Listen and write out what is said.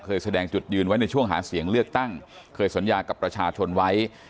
แสดงจุดยืนไว้ในช่วงหาเสียงเลือกตั้งเคยสัญญากับประชาชนไว้